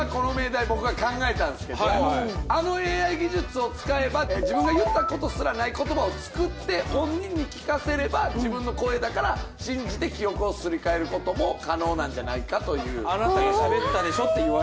今回はあのＡＩ技術を使えば自分が言ったことすらない言葉を作って本人に聞かせれば自分の声だから信じて記憶をすり替えることも可能なんじゃないかというそうですよ